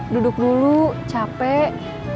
duduk dulu capek